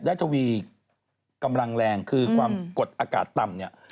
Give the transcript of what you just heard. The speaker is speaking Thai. ได้ทวีกำลังแรงคือความกดอากาศต่ำ